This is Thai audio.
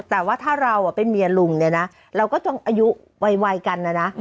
แต่ว่าถ้าเราเป็นเมียลุงเนี่ยนะเราก็ต้องอายุไวกันนะนะ